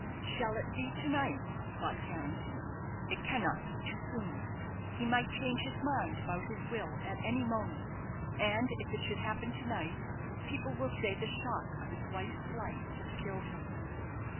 "Shall it be to night?" thought Carrington. "It cannot be too soon. He might change his mind about his will at any moment; and if it should happen to night, people will say the shock of his wife's flight has killed him."